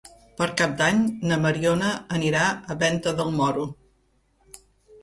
Per Cap d'Any na Mariona anirà a Venta del Moro.